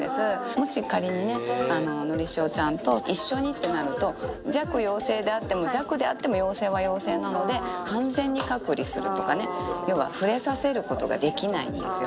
もし仮にね、のりしおちゃんと一緒にってなると、弱陽性であっても、弱であっても陽性は陽性なので、完全に隔離するとかね、要は触れさせることができないんですよ。